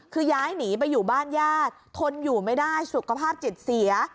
คือย้ายหนีไปอยู่บ้านญาติทนอยู่ไม่ได้สุขภาพจิตเสีย